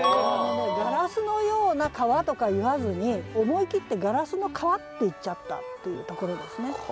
「ガラスのような川」とか言わずに思い切って「ガラスの川」って言っちゃったっていうところですね。